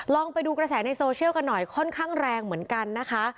ลองไปดูกระแสในโซเชียลกันหน่อยค่อนข้างแรงเหมือนกันนะคะ